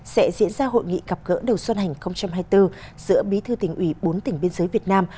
sẽ diễn ra hội nghị gặp gỡ đầu xuân hành hai mươi bốn giữa bí thư tỉnh ủy bốn tỉnh biên giới việt nam